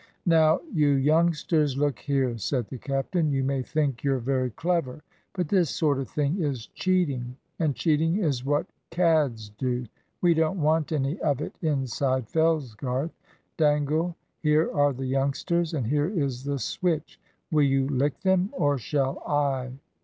"Now, you youngsters, look here," said the captain. "You may think you're very clever; but this sort of thing is cheating, and cheating is what cads do. We don't want any of it inside Fellsgarth. Dangle, here are the youngsters, and here is the switch; will you lick them, or shall I?"